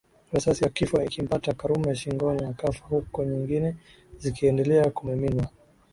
Risasi ya kifo ikampata Karume shingoni akafa huku nyingine zikiendelea kumiminwa